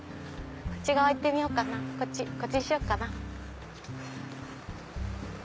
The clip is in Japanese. こっち側行ってみようかなこっちにしようかな。